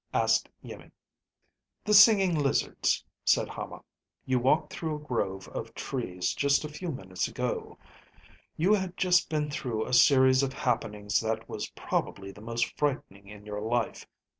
asked Iimmi. "The singing lizards," said Hama. "You walked through a grove of trees just a few minutes ago. You had just been through a series of happenings that was probably the most frightening in your life.